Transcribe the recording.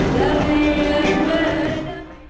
tim berikutan cnn indonesia